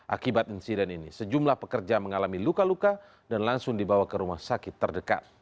akibat insiden ini sejumlah pekerja mengalami luka luka dan langsung dibawa ke rumah sakit terdekat